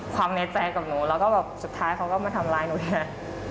ในใจกับหนูแล้วก็แบบสุดท้ายเขาก็มาทำร้ายหนูเนี่ย